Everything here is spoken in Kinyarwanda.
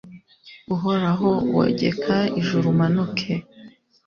uhoraho, bogeka ijuru umanuke